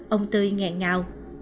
ông tươi ngẹn ngào